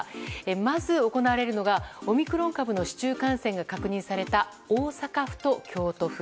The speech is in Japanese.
まず行われるのはオミクロン株の市中感染が確認された大阪府と京都府。